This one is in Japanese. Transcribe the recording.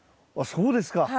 あっそうですか。